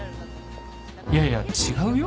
いやいや違うよ？